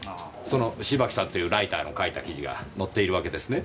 その芝木さんというライターの書いた記事が載っているわけですね？